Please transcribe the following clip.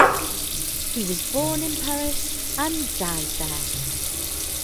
He was born in Paris, and died there.